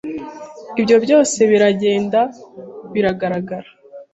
ibyo byose biragenda bigaragara.